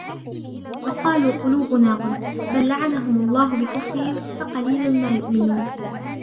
وقالوا قلوبنا غلف بل لعنهم الله بكفرهم فقليلا ما يؤمنون